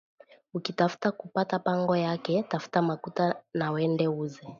Uki tafuta ku pata pango yako tafuta makuta na wende uze